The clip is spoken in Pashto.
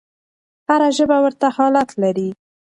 هره ژبه ورته حالت لري.